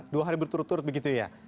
dua hari berturut turut begitu ya